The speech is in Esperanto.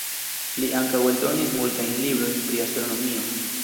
Li ankaŭ eldonis multajn librojn pri astronomio.